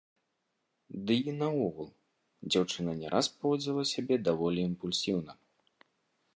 Дый наогул, дзяўчына не раз паводзіла сябе даволі імпульсіўна.